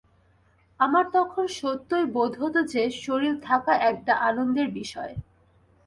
আমার তখন সত্যই বোধ হত যে, শরীর থাকা একটা আনন্দের বিষয়।